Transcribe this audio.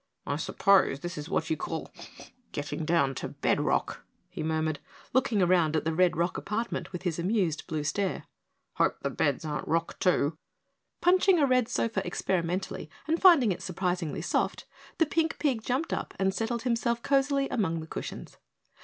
"I suppose this is what you call getting down to bed rock," he murmured, looking around the red rock apartment with his amused blue stare. "Hope the beds aren't rock, too." Punching a red sofa experimentally and finding it surprisingly soft, the pink pig jumped up and settled himself cozily among the cushions.